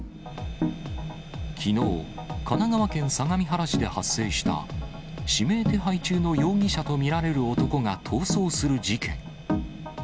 きのう、神奈川県相模原市で発生した、指名手配中の容疑者と見られる男が逃走する事件。